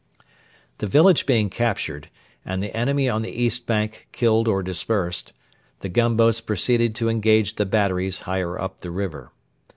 The village being captured, and the enemy on the east bank killed or dispersed, the gunboats proceeded to engage the batteries higher up the river.